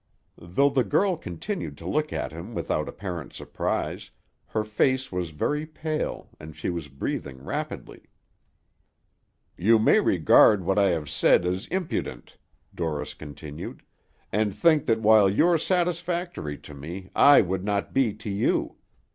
Though the girl continued to look at him without apparent surprise, her face was very pale, and she was breathing rapidly. "You may regard what I have said as impudent," Dorris continued, "and think that while you are satisfactory to me, I would not be to you.